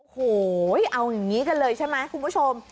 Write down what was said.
โห้ยเอาอย่างงี้กันเลยใช่มั้ยคุณผู้ชม